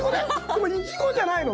でもいちごじゃないの。